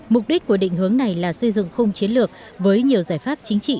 mục đích của định hướng này là xây dựng khung chiến lược với nhiều giải pháp chính trị